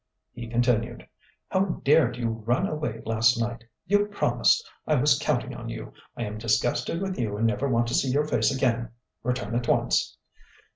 He continued: "'_How dared you run away last night? You promised. I was counting on you. I am disgusted with you and never want to see your face again. Return at once.